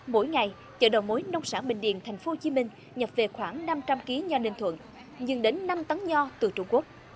mỗi ngày chợ đầu mối nông sản bình điền thành phố hồ chí minh nhập về khoảng năm trăm linh kg nho ninh thuận dừng đến năm tấn nho từ trung quốc